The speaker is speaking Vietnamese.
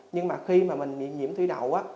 nhưng mà khi mà mình bị nhiễm thủy đậu